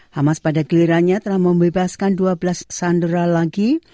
hamas pada gelirannya telah membebaskan dua belas sandera lagi